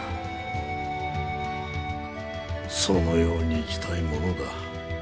そのように生きたいものだ。